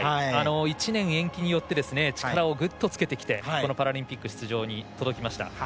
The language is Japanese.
１年延期によって力をぐっとつけてきてこのパラリンピック出場に届きました。